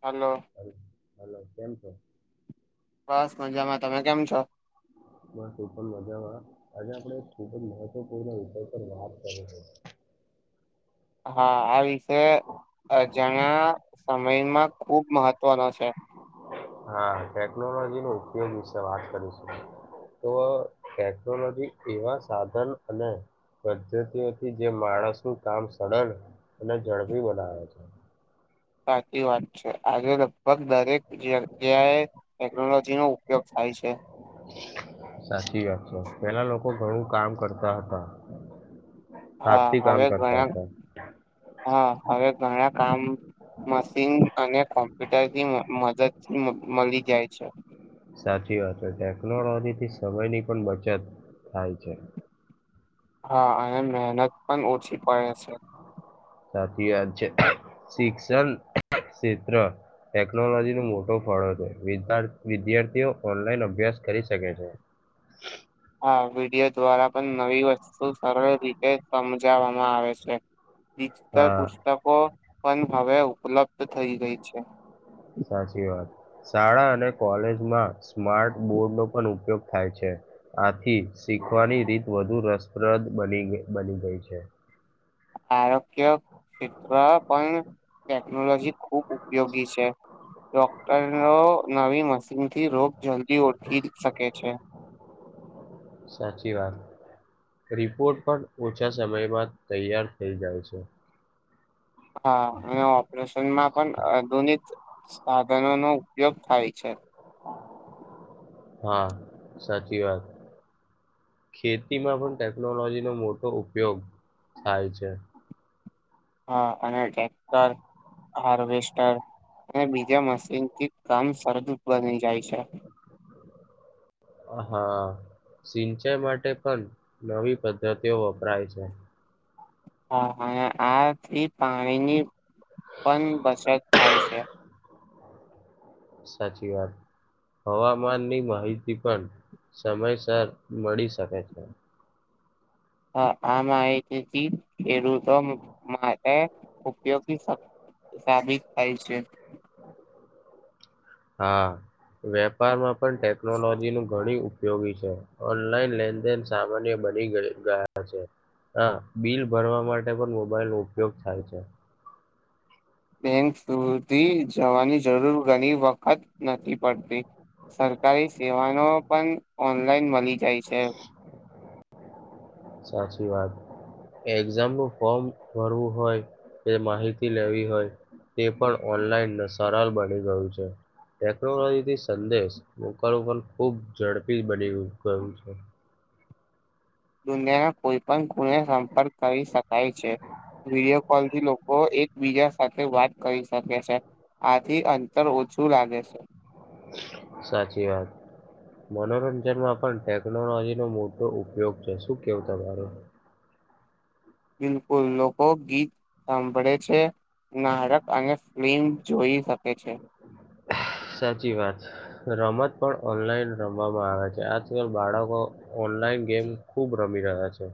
હાલો! Hello hello કેમ છો બસ મજામાં. તમે કેમ છો? બસ હું પણ મજામાં આજે આપણે ખૂબ જ મહત્વપૂર્ણ વિષય પર વાત કરી છે. હા, આ વિશે. અજાણા સમયમાં ખુબ મહત્વનો છે. હા ટેકનોલોજી નો ઉપયોગ વિશે વાત કરીશું. તો ટેકનોલોજી એવા સાધન અને પદ્ધતિઓથી જે માણસનું કામ સરળ અને ઝડપી બનાવે છે. સાચી વાત છે. આજે લગભગ દરેક ઘેર જ્યા એ ટેકનોલોજી નો ઉપયોગ થાય છે. સાચી વાત છે, પેલા લોકો ઘણું કામ કરતા હતા. હા, હાથથી કામ હવે કરતા ઘણા હતા હા હવે ઘણા કામ મશીન અને કોમ્પ્યુટર થી મદદથી મળી જાય છે. સાચી વાત છે ટેકનોલોજી થી સમયની પણ બચત થાય છે. હા, અને મહેનત પણ ઓછી પડે છે. સાચી વાદ છે શિક્ષણ ક્ષેત્ર ટેકનોલોજી નો મોટો ફાળો વિદ્યાર્થીઓ ઓનલાઈન અભ્યાસ કરી શકે છે. હા, વિડીયો દ્વારા પણ નવી વસ્તુ સરળ રીતે સમજવામાં આવે છે. ડિજિટલ હા પુસ્તકો પણ હવે ઉ ઉપલબ્ધ થઈ ગઈ છે. સાચી વાત શાળા અને કોલેજમાં સ્માર્ટ બોર્ડ નો પણ ઉપયોગ થાય છે. આથીજ શીખવાની રીત વધુ રસપ્રદ બની બની ગઈ છે. [unintelligible] મુ્ [unintelligible] ય ક્ષેત્ર પણ ટેકનોલોજી ખૂબ ઉપયોગી છે. ડોક્ટર નો નવી મશીનથી રોગ જલ્દી ઓઠી શકે છે. સાચી વાત રિપોર્ટ પણ ઓછા સમયમાં તૈયાર થઈ જાય છે. હા, અને ઓપરેશનમાં પણ આધુનિક સાધનો નો ઉપયોગ થાય છે. હા સાચી વાત. ખેતીમાં પણ ટેકનોલોજીનો મોટો ઉપયોગ થાય છે હા અને ટેક્ટર હાર્વેસ્ટર અને બીજા મશીનથી કામ સરદ બની જાય છે હા સિંચાઈ માટે પણ નવી પદ્ધતિઓ વપરાય છે હા આથી પાણીની પણ બચત થાય છે સાચી વાત હવામાનની માહિતી પણ સમયસર મળી શકે છે હા આમાં આવી એલું તો માટે ઉપયોગી સાબિત થાય છે હા વેપારમાં પણ ટેકનોલોજી નું ઘણી ઉપયોગી છે ઓનલાઈન લેનદેન સામાન્ય બડી ગ ગયા છે હા બિલ ભરવા માટે પણ મોબાઈલ નો ઉપયોગ થાય છે બેંક સુધી જવાની જરૂર ઘણી વખત જ નથી પડતી સરકારી સેવાનો પણ ઓનલાઈન મળી જાય છે સાચી વાત એક્ઝામ નું ફોર્મ ભરવું હોય એ માહિતી લેવી હોય તે પણ સરળ બની ગયું છે ટેકનોલોજી થી સંદેશ મોકલવો ખૂબ ઝડપી બની ગયું છે દુનિયાના કોઈ પણ ખુણે સંપર્ક કરી શકાય છે વિડીયો કોલ થી લોકો એક બીજા સાથે વાત કરી શકે છે આ એ અંતર ઓછું લાગે છે સાચી વાત. મનોરંજનમાં પણ ટેકનોલોજી નો મોટો ઉપયોગ છે શું કેવું તમારૂ બિલકુલ લોકો ગીત સાંભળે છે નારક અને ફિલ્મ જોઈ શકે છે સાચી વાત. રમત પણ ઓનલાઈન રમવામાં આવે છે આજકાલ બાળકો ઓનલાઈન ગેમ ખુબ રમી રહ્યા છે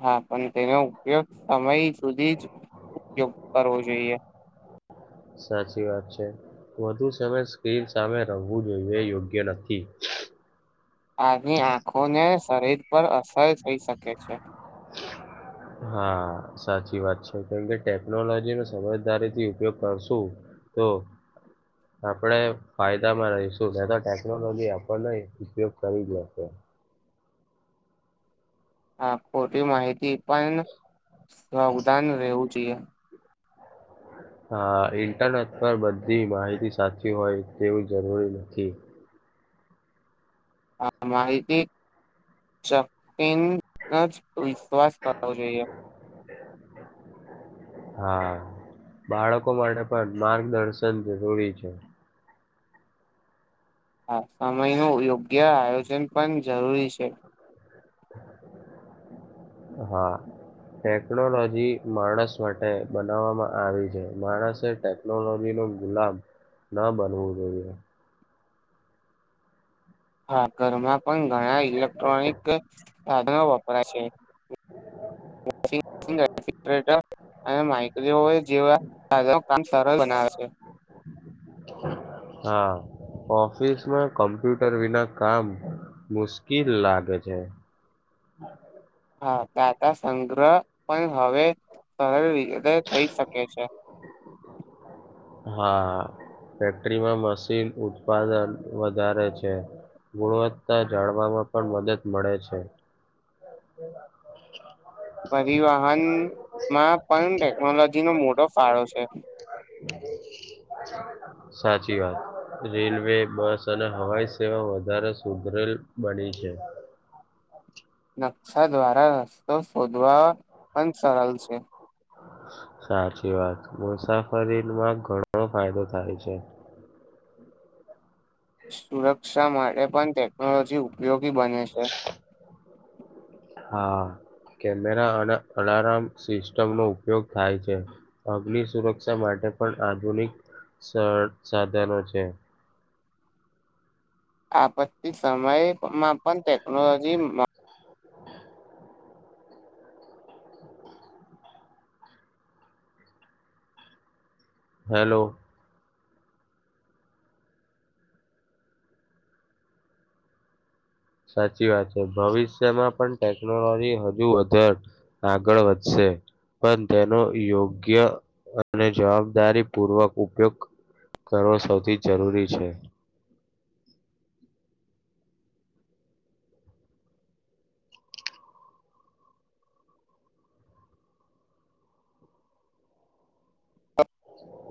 હા પણ તેને ઉપયોગ સમય સુધી જ ઉપયોગ કરવો જોઈએ સાચી વાત છે. વધુ સમય સ્ક્રીન સામે રમવું જોઈએ યોગ્ય નથી આની આંખોને શરીર પર અસર થઈ શકે છે હા સાચી વાત છે કેમ કે ટેકનોલોજી નો સમજદારી થી ઉપયોગ કરશું તો આપણે ફાયદામાં રહીશું ન તો ટેકનોલોજી આપણને ઉપયોગ કરી જશે હા ખોટી માહિતી પણ સાવધાન રહેવું જોઈએ હા ઇન્ટરનેટ પર બધી માહિતી સાચી હોય તેવું જરૂરી નથી હા માહિતી શકીન જ વિશ્વાસ કરવો જોઈએ હા બાળકો માટે પણ માર્ગદર્શન જરૂરી છે હા સમયનું યોગ્ય આયોજન પણ જરૂરી છે હા ટેકનોલોજી માણસ માટે બનાવવામાં આવી છે માણસે ટેકનોલોજી ન ગુલામ ના બનવું જોઈએ હા ઘરમાં પણ ઘણા ઇલેક્ટ્રોનિક સાધનો વપરાય છે હ [inaudible] હા. ઓફિસ માં કમ્પ્યુટર વિના કામ મુશ્કીલ લાગે છે. હા તો આતા સંગ્રહ પણ હવે સરી રીતે થઈ શકે છે. હા ફેક્ટરીમાં મશીન ઉત્પાદન વધારે છે. ગુણવત્તા જાણવામાં પણ મદદ મળે છે. પરિવહનમાં પણ ટેકનોલોજી નો મોટો ફાળો છે. સાચી વાત. રેલવે બસ અને હવાઈ સેવા વધારે સુધરેલ બની છે. [inaudible] નકશા દ્વારા રસ્તો શોધવા પણ સરળ છે. [inaudible] સાચી વાત મુસાફરીમાં ઘણો ફાયદો થાય છે. સુરક્ષા માટે પણ ટેકનોલોજી ઉપયોગી બને છે. હા. કેમેરા અને અલાર્મ સિસ્ટમ નો ઉપયોગ થાય છે અગ્નિ સુરક્ષા મા ટે પણ આધુનિક સ સાધનો છે. આપતી સમયમાં પણ ટેકનોલોજી માં હલો. સાચી વાત છે ભવિષ્યમાં પણ ટેકનોલોજી હજુ વધાર આગળ વધશે. પણ તેનો યોગ્ય અને જવાબદારી પૂર્વક ઉપયોગ કરવો સૌથી જરૂરી છે.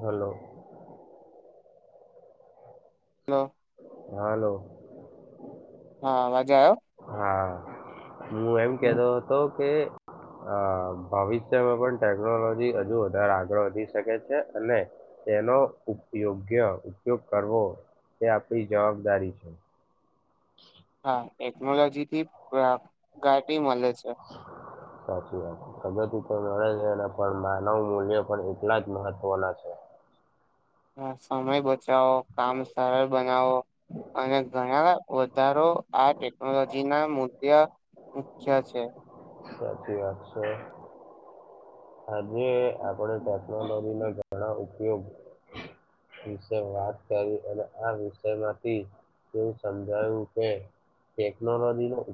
હલો. હલો. હાલો. અવાજ આવ્યો હા હું એમ હમ કેતો હતો કે અ ભવિષ્યમાં પણ ટેકનોલોજી હજુ વધારે આગળ વધી શકે છે અને તેનો ઉપયોગ્ય ઉપયોગ કરવો તે આપડી જવાબદારી છે. હા ટેક્નોલોજી થી પ પ્રઘાટી મળે છે. સાચી વાત પ્રગતિ તો મળે છે ને પણ માનવ મૂલ્ય પણ એટલા જ મહત્વના છે. [inaudible] હ સમય બચાવો કામ સરળ બનાવો અને ઘણા વધારો આ ટેકનોલોજી ના મુલ્ય મુખ્ય છે. સાચી વાત છે. આજે આપણે ટેકનોલોજી ના ઘણા ઉપયોગ વિશે વાત કરી અને આ વિષય માંથી એવું સમજાયું કે ટેક્નોલોજીનું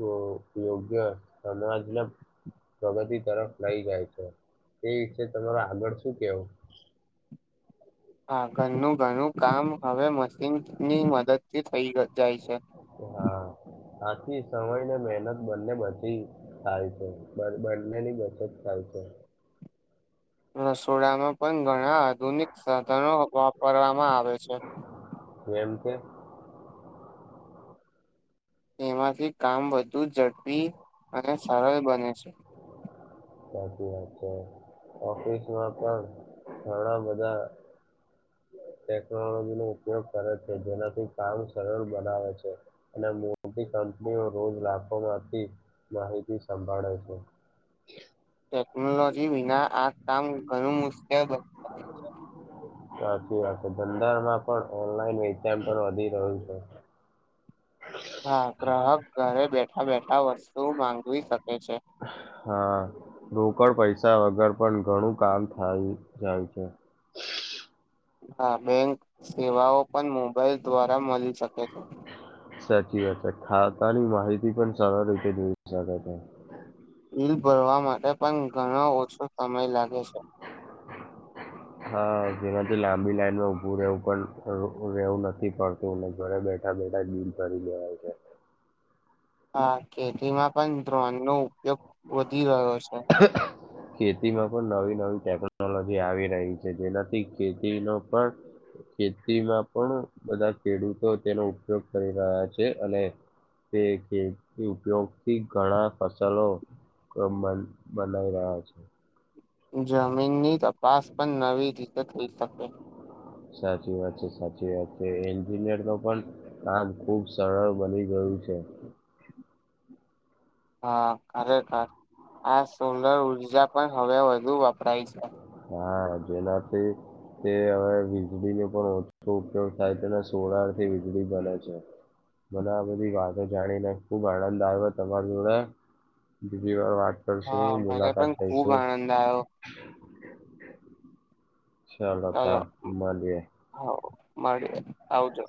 યો યોગ્ય [unintelligible] પ્રગતિ તરફ લઈ જાય છે. તે વિશે તમારો આગળ શું કેવું? હા ઘરનું ઘણું કામ હવે મશીન ની મદદ થી થઈ શકાય છે. હા આથી સમય ને મહેનત બંને બચી જાય છે બંને ની બચત થાય છે. [inaudible] રસોડામાં પણ ઘણા આધુનિક સાધનો વાપરવામાં આવે છે. જેમ કે. તેમાંથી કામ વધુ ઝડપી અને સરળ બને છે. સાચી વાત છે ઓફિસમાં પણ ઘણા બધા ટેકનોલોજી નો ઉપયોગ કરે છે જેનાથી કામ સરળ બનાવે છે અને મોટી કંપ કંપનીઓ રોજ લાખોમાંથી માહિતી સંભાળે છે. ટેકનોલોજી વિના આ કામ ઘણું મુશ્કેલ બની શકે છે. સાચી વાત છે ધંધામાં પણ ઓનલાઈન વેચાણ પણ વધી રહ્યું છે. હા ગ્રાહક ઘરે બેઠા બેઠા વસ્તુ માંગવી શક હા લો ઉપડ પૈસા વગર પણ ઘણું કામ થાય જાય છે હા બેંક સેવાઓ પણ મોબાઈલ દ્વારા મળી શકે છે સાચી વાત છે ખાતાની માહિતી પણ સારળ રીતે જોઈ શકે છે બીલ ભરવા માટે પણ ઘણો ઓછો સમય લાગે છે [inaudible] હા જેમાંથી લાંબી લાઈનમાં ઉભું રહેવું પણ રહેવું નથી પડતું ને ઘરે બેઠ બેઠા બેઠા બીલ ભરી દેવાય છે હા ખેતીમાં પણ ડ્રોન નો ઉપયોગ વધી રહ્યો છે. ખેતીમાં પણ નવી નવી ટેકનોલોજી આવી રહી છે જેનાથી ખેતી નો પણ ખેતીમાં પણ બધા ખેડૂતો તેનો ઉપયોગ કરી રહ્યા છે અને તે ખેતી ઉપયોગથી ઘણા ફસલો બનાઈ રહ્યા છે જમીનની તપાસ પણ નવી રીતે થઈ શકે સાચી વાત છે સાચી વાત છે એન્જિનિયર નુ પણ કામ ખુબ સરળ બની ગયું છે [inaudible] હા ખરેખર આ સોલર ઉર્જા પણ હવે વધુ વપરાય છે હા જેનાથી તે હવે વીજળીનો પણ ઓછો ઉપયોગ થાય તેના સોલાર થી વીજળી બને છે મને આ બધી વાતો જાણીને ખુબ આનંદ આવયો તમારી જોડે બીજી વાર વાત હા કરશું મને મુલાકાત પણ ખુબ થઈશું આનંદ આવ્યો ચાલો તા મળીયે મળીયે આવજો